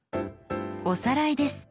おさらいです。